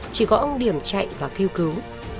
chỉ có ông điểm chạy và kêu cứu